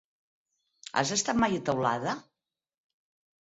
Has estat mai a Teulada?